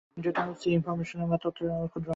Data হচ্ছে information বা তথ্যের ক্ষুদ্র অংশ।